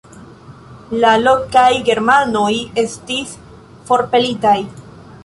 La lokaj germanoj estis forpelitaj.